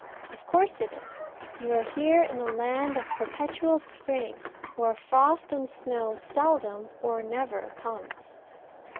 Of course it is. You are here in the land of perpetual spring, where frost and snow seldom, or never comes.